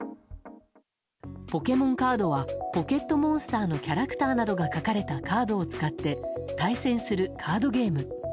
ポケモンカードは「ポケットモンスター」のキャラクターなどが描かれたカードを使って対戦するカードゲーム。